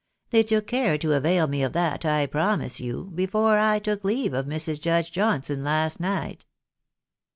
They took care to avail me of that, I promise you, before I took leave of iMrs. Judge Johnson last night."